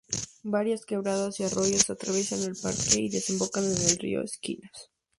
Varias quebradas y arroyos atraviesan el parque y desembocan en el río Esquinas.